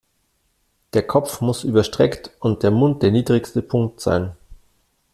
Der Kopf muss überstreckt und der Mund der niedrigste Punkt sein.